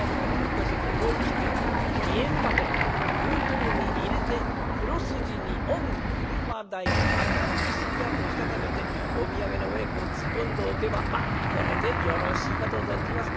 ここはひとつ思い切って２円ばかりも封筒に入れて黒筋に『御車代赤螺屋』としたためてお土産の上へこう突っ込んでおけばこれでよろしいかと存じます。